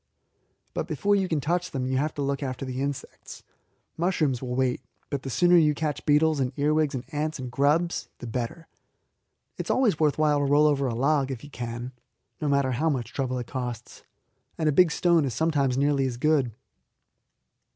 But before you can touch them you have to look after the insects. Mushrooms will wait, but the sooner you catch beetles, and earwigs, and ants, and grubs, the better. It is always worth while to roll a log over, if you can, no matter how much trouble it costs; and a big stone is sometimes nearly as good.